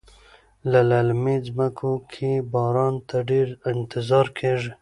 په للمي ځمکو کې باران ته ډیر انتظار کیږي.